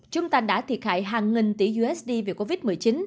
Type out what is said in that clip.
chúng ta đã thiệt hại hàng nghìn tỷ usd vì covid một mươi chín